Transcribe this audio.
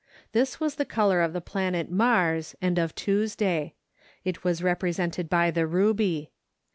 This was the color of the planet Mars and of Tuesday; it was represented by the ruby.